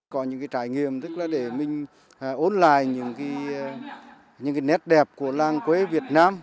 có những trải nghiệm để mình ốn lại những nét đẹp của làng quê việt nam